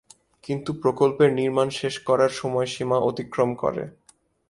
কিন্তু প্রকল্পের নির্মাণ শেষ করার সময়সীমা অতিক্রম করে।